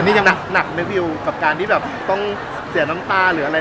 อันนี้จะหนักในวิวกับการที่ต้องเสียน้ำตาหรืออะไร